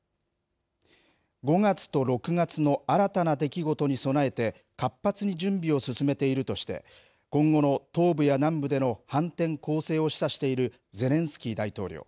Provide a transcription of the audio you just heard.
５月と６月の新たな出来事に備えて活発に準備を進めているとして、今後の東部や南部での反転攻勢を示唆しているゼレンスキー大統領。